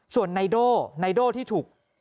ส่วนในโดในโดที่ถูก